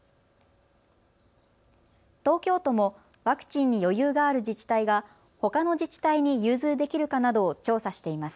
東京都もワクチンに余裕がある自治体がほかの自治体に融通できるかなどを調査しています。